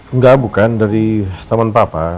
enggak bukan dari teman papa